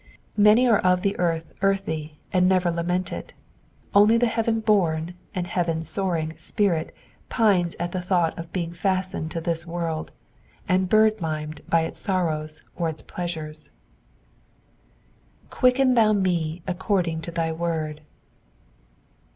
Many are of the earth earthy, and never lament it ; only the heaven born and heaven soaring spirit pines at the thought of being fastened to this world, and bird limed by its sorrows or its pleasures. ^^Quichen thou me according to thy toord."